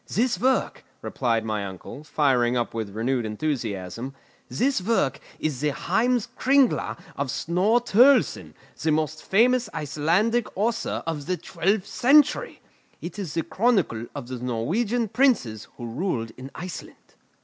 "This work," replied my uncle, firing up with renewed enthusiasm, "this work is the Heims Kringla of Snorre Turlleson, the most famous Icelandic author of the twelfth century! It is the chronicle of the Norwegian princes who ruled in Iceland."